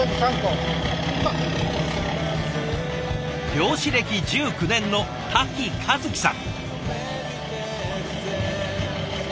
漁師歴１９年の滝和紀さん。